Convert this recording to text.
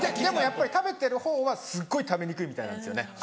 でもやっぱり食べてるほうはすっごい食べにくいみたいなんですよね。